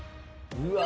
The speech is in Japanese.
うわ。